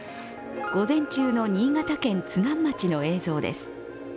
午前中の新潟県津南町の映像です。